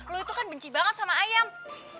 lu itu kan benci banget sama ayam